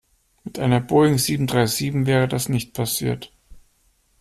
Mit einer Boeing sieben-drei-sieben wäre das nicht passiert.